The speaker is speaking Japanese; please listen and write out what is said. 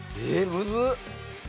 むずっ。